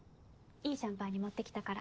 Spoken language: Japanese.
いいシャンパーニュ持ってきたから。